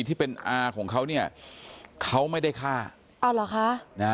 ที่เป็นอาของเค้าเนี่ยเค้าไม่ได้ฆ่าอ้าวเหรอคะ